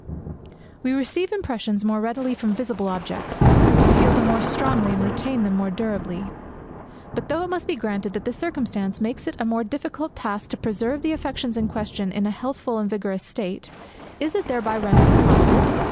We receive impressions more readily from visible objects, we feel them more strongly, and retain them more durably. But though it must be granted that this circumstance makes it a more difficult task to preserve the affections in question in a healthful and vigorous state; is it thereby rendered impossible?